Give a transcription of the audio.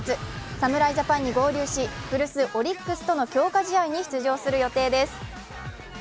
侍ジャパンに合流し、古巣オリックスとの強化試合に出場する予定です。